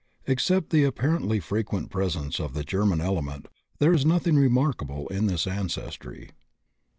Except the apparently frequent presence of the German element, there is nothing remarkable in this ancestry.